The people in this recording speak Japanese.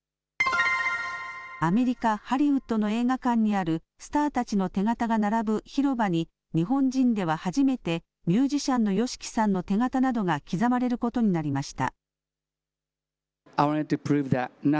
アメリカ・ハリウッドの映画館にあるスターたちの手形が並ぶ広場に日本人では初めてミュージシャンのＹＯＳＨＩＫＩさんの手形などが刻まれることになりました。